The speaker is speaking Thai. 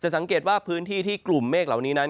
สังเกตว่าพื้นที่ที่กลุ่มเมฆเหล่านี้นั้น